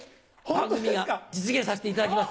番組が実現させていただきます。